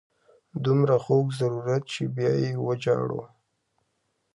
دومره خوږ ضرورت چې بیا یې وژاړو.